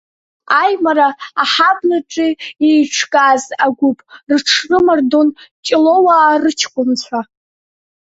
Аимара аҳаблаҿы иеиҿкааз агәыԥ рыҽрымардон Ҷлоуаа рыҷкәынцәа.